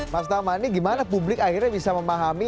mas damani gimana publik akhirnya bisa memahami